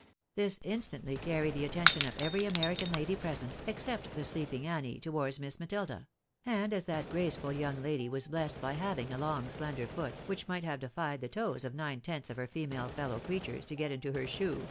This instantly carried the attention of every American lady present, except the sleeping Annie, towards Miss Matilda ; and as that graceful young lady was blessed by having a long slender foot, which might have defied the toes of nine tenths of her female fellow creatures to get into her shoe, 48 THE BARNABYS IN AMEEICA.